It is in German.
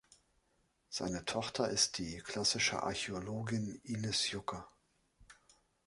Seine Tochter ist die Klassische Archäologin Ines Jucker.